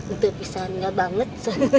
itu pisahnya banget